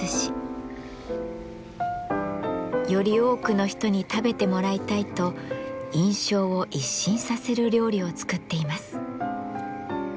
より多くの人に食べてもらいたいと印象を一新させる料理を作っています。